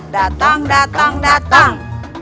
datang datang datang